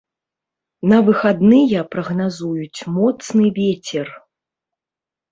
На выхадныя прагназуюць моцны вецер.